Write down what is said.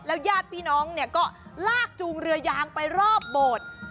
แล้วยาดพี่น้องก็ลากจูงเรือยางไปรอบโบด